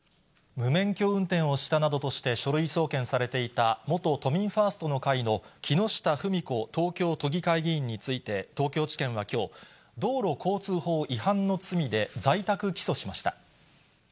無免許運転をしたなどとして書類送検されていた、元都民ファーストの会の木下富美子東京都議会議員について、東京地検はきょう、道路交通法違反の罪で在宅起訴しました。